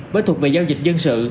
với thuộc về giao dịch dân sự